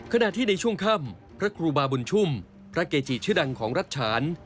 ขณะที่ในช่วงค่ำพระครูบาบุญชุ่มพระเกจิชื่อดังของรัฐฉาน